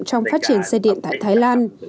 trong phát triển xe điện tại thái lan